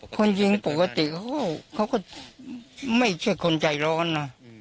คนยิงปกติเขาก็ไม่ใช่คนใจร้อนนะ